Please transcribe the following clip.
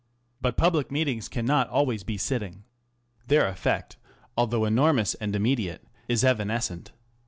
But publid meetings cannot always be sitting. Their effect, although enormpus and immediate, is evanescent.